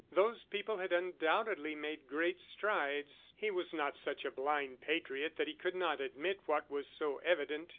Those people had undoubtedly made great strides. He was not such a blind patriot that he could not admit what was so evident.